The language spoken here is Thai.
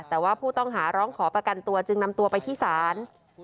แต่ว่าผู้ต้องหาร้องขอประกันตัวจึงนำตัวไปที่ศาล